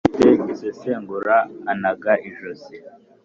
Ufite gisegura anaga ijosi.